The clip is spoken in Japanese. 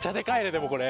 でもこれ。